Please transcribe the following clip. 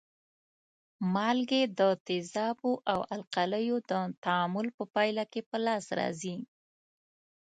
مالګې د تیزابو او القلیو د تعامل په پایله کې په لاس راځي.